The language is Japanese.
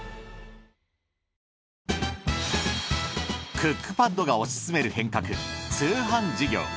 クックパッドが推し進める変革通販事業。